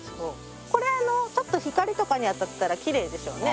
これちょっと光とかに当たったらきれいでしょうね。